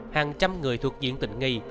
hàng trăm người thuộc diện tình nghi